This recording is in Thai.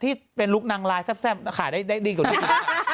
ที่เป็นรุปนางลายแซ่บขายได้ดีกว่าตัวนี้